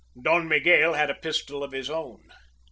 Don Miguel had a pistol of his own.